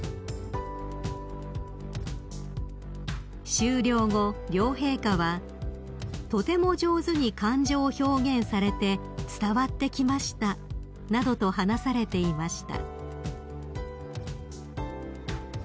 ［終了後両陛下は「とても上手に感情を表現されて伝わってきました」などと話されていました］